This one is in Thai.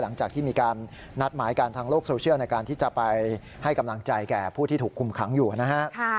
หลังจากที่มีการนัดหมายกันทางโลกโซเชียลในการที่จะไปให้กำลังใจแก่ผู้ที่ถูกคุมขังอยู่นะฮะ